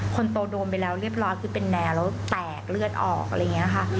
คนโตโดนไปแล้วเรียบร้อยคือเป็นแนวแล้วแตกเลือดออกอะไรอย่างนี้ค่ะ